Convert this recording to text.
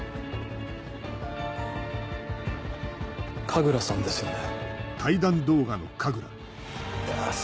神楽さんですよね？